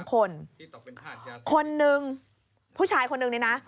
คนหนึ่งผู้ชายคนหนึ่งนี่นะ